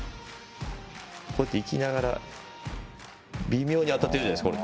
いきながら、微妙に当たってるじゃないですか。